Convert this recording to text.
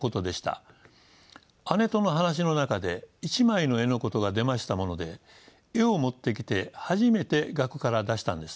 姉との話の中で「一枚の絵」のことが出ましたもので絵を持ってきて初めて額から出したんです。